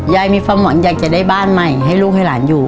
มีความหวังอยากจะได้บ้านใหม่ให้ลูกให้หลานอยู่